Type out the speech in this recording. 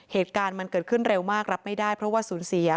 เหตุการณ์มันเกิดขึ้นเร็วมากรับไม่ได้เพราะว่าสูญเสีย